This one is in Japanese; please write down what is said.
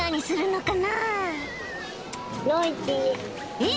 えっ！